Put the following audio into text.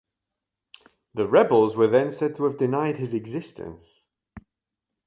The rebels were then said to have denied his existence.